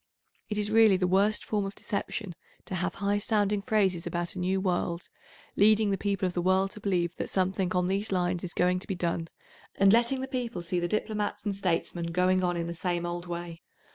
It is really the worst form of deception to have high sounding phrases about a new world, leading the people of the world to believe that something on these lines is going to be done, and letting the people; see the diplomats and statesmen going on in the same old way.